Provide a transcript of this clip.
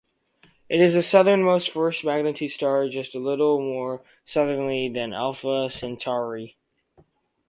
It is the southernmost first-magnitude star, just a little more southerly than Alpha Centauri.